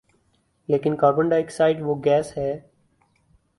لیکن carbon dioxide وہ gas ہے